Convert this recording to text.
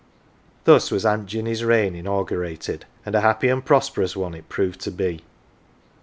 Thus was Aunt Jinny "s reign inaugurated, and a happy and pros perous one it proved to be.